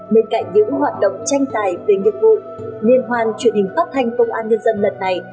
bên cạnh những hoạt động tranh tài về nghiệp vụ liên hoan truyền hình phát thanh công an nhân dân lần này